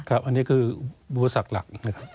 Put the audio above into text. อันนี้คืออุปสรรคหลัก